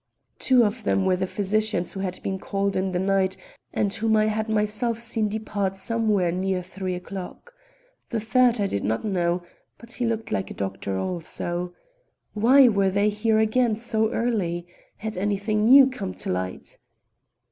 Two of them were the physicians who had been called in the night and whom I had myself seen depart somewhere near three o'clock. The third I did not know, but he looked like a doctor also. Why were they here again so early? Had anything new come to light?